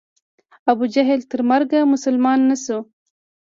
ابوجهل تر مرګه مسلمان نه شو.